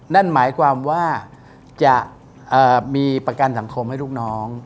นั่นหมายความว่าจะมีประกันสังคมให้ลูกน้อง